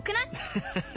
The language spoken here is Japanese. アハハハ！